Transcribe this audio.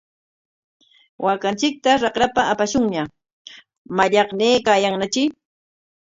Waakanchikta raqrapa apashunña, mallaqnaykaayanñatri.